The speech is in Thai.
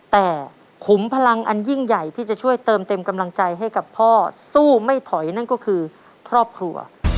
แต่ขุมพลังอันยิ่งใหญ่ที่จะช่วยเติมเต็มกำลังใจให้กับพ่อสู้ไม่ถอยนั่นก็คือครอบครัว